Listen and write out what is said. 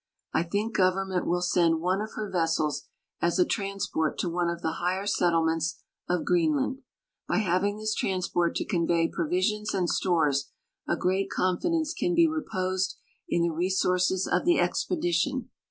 I think Government will send one of her vessels as a transport to one of the higher settlements of Green land. By having this transport to convey provisions and stores, a great confidence can be reposed in the resources of the expedition.